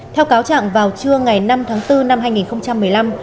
theo cáo trạng vào trưa ngày năm tháng bốn năm hai nghìn một mươi năm